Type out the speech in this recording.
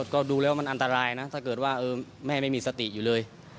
ก็ดูแล้วมันอันตรายนะถ้าเกิดว่าแม่ไม่มีสติอยู่เลย